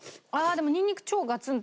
でもニンニク超ガツンと！